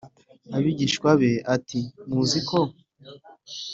abigishwa be ati muziko